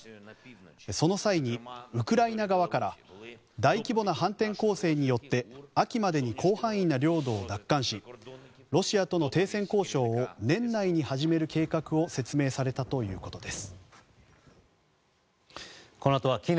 その際に、ウクライナ側から大規模な反転攻勢によって秋までに広範囲な領土を奪還しロシアとの停戦交渉を年内に始める計画を説明されたということです。